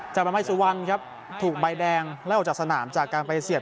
ทำไมสุวรรณครับถูกใบแดงไล่ออกจากสนามจากการไปเสียบ